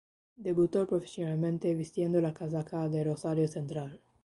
Debutó profesionalmente vistiendo la casaca de Rosario Central.